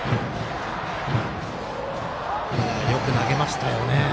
よく投げましたよね。